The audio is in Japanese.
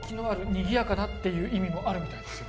「にぎやかな」っていう意味もあるみたいですよ